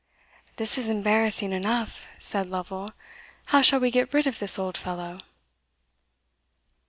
"This is embarrassing enough," said Lovel: "How shall we get rid of this old fellow?"